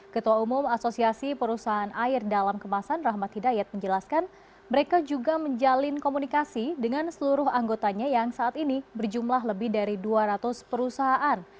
ketua umum asosiasi perusahaan air dalam kemasan rahmat hidayat menjelaskan mereka juga menjalin komunikasi dengan seluruh anggotanya yang saat ini berjumlah lebih dari dua ratus perusahaan